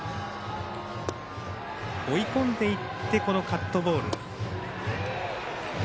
追い込んでいって、カットボール。